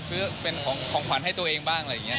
ซื้อเป็นของขวัญให้ตัวเองบ้างอะไรอย่างนี้